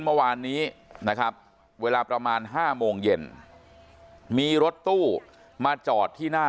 เมื่อวานนี้นะครับเวลาประมาณ๕โมงเย็นมีรถตู้มาจอดที่หน้า